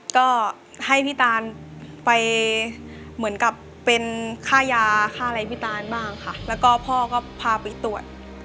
ก็ให้พี่ตานไปเหมือนกับเป็นค่ายาค่าอะไรพี่ตานบ้างค่ะแล้วก็พ่อก็พาไปตรวจ